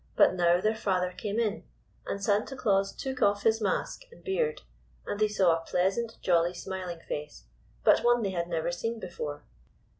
But now their father came in, and Santa Claus took off his mask and beard, and they saw a pleasant, jolly, smiling face, but one they had never seen before.